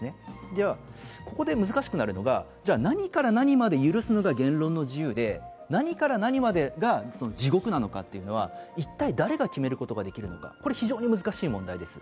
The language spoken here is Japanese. ではここで難しくなるのは、何から何まで許すのが言論の自由で、何から何までが地獄なのかというのは一体誰が決めることができるのか、非常に難しい問題です。